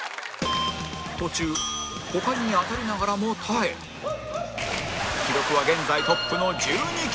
途中股間に当たりながらも耐え記録は現在トップの１２球